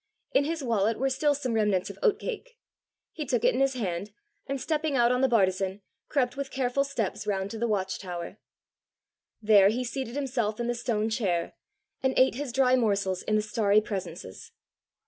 In his wallet were still some remnants of oat cake! He took it in his hand, and stepping out on the bartizan, crept with careful steps round to the watch tower. There he seated himself in the stone chair, and ate his dry morsels in the starry presences.